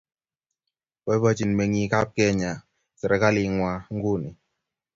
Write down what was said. boibochini meng'ikab emetab Kenya serikaling'wang' nguni